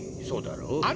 そうだろう？